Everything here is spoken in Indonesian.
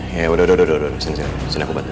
ya udah udah udah sini sini aku bantu